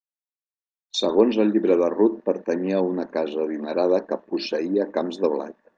Segons el Llibre de Rut pertanyia a una casa adinerada que posseïa camps de blat.